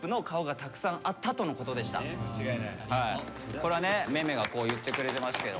これはねめめが言ってくれてますけど。